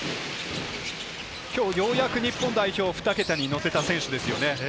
今日ようやく日本代表、２桁にのせた選手ですよね。